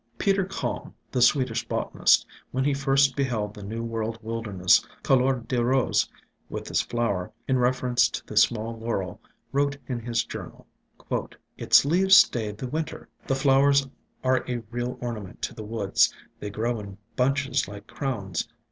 Peter Kalm, the Swedish botanist, when he first beheld the New World wilderness couleur de rose with this flower, in reference to the small Laurel, wrote in his journal: "Its leaves stay the winter; the flowers are a real ornament to the woods : they grow in bunches like crowns